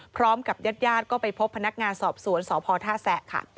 พร้อมกับญาติก็ไปพบพนักงานสอบสวนสพท่าแสะค่ะ